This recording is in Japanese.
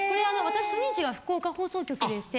私初任地が福岡放送局でして。